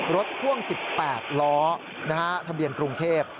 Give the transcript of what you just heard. รถพ่วง๑๘ล้อนะฮะทะเบียนกรุงเทพ